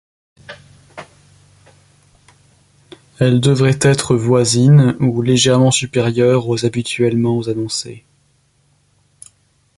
Elle devrait être voisine ou légèrement supérieure aux habituellement annoncés.